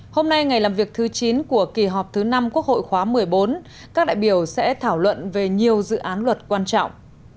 hôm nay ngày làm việc thứ chín của kỳ họp thứ năm quốc hội khóa một mươi bốn các đại biểu sẽ thảo luận về nhiều dự án luật quan trọng